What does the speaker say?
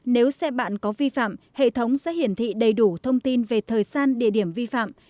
nếu xe bạn có vi phạm hệ thống sẽ hiển thị đầy đủ thông tin về thời gian địa điểm vi phạm